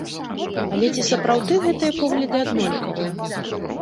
Але ці сапраўды гэтыя погляды аднолькавыя?